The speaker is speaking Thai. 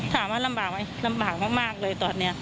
ถามว่าลำบากไหมลำบากมากเลยตอนนี้